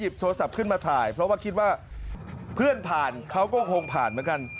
โทรศัพท์ขึ้นมาถ่ายเพราะว่าคิดว่าเพื่อนผ่านเขาก็คงผ่านเหมือนกัน